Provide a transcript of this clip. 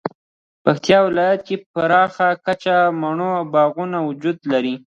پکتیکا ولایت کې په پراخه کچه مڼو باغونه وجود لري